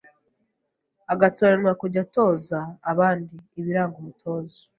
agatoranywa kujya atoza abandi. Ibiranga Umutoza